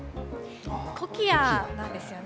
コキアなんですよね。